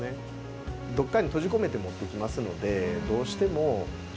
どっかに閉じ込めて持ってきますのでどうしても状態悪い。